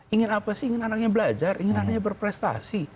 ingin apa sih ingin anaknya belajar ingin anaknya berprestasi